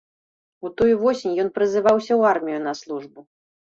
У тую восень ён прызываўся ў армію на службу.